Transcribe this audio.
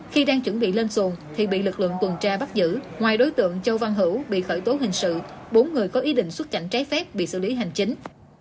khi đang chuẩn bị lên xuồng thì bị lực lượng tuần tra bắt giữ ngoài đối tượng châu văn hữu bị khởi tố hình sự bốn người có ý định xuất cảnh trái phép bị xử lý hành chính